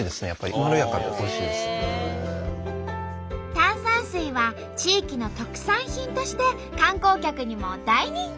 炭酸水は地域の特産品として観光客にも大人気。